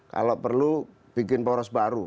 kalau perlu bikin poros baru